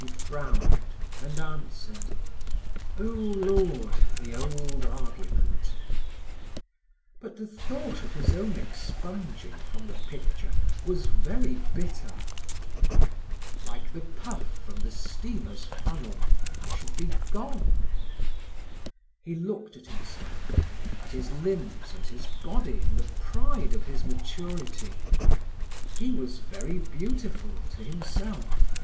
He frowned, and answered: "Oh, Lord!—the old argument!" But the thought of his own expunging from the picture was very bitter. "Like the puff from the steamer's funnel, I should be gone." He looked at himself, at his limbs and his body in the pride of his maturity. He was very beautiful to himself.